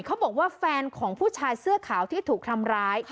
เขาบอกว่าแฟนของผู้ชายเสื้อขาวที่ถูกทำร้าย